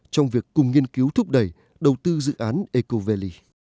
trong việc cùng nghiên cứu thúc đẩy đầu tư dự án eco valley